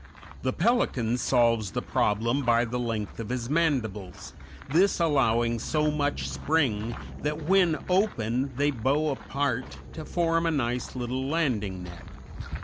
The pelican solves the problem by the length of his mandibles, this allowing so much spring that when open they bow apart to form a nice little landing net.